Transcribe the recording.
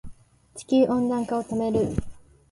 地球温暖化を止める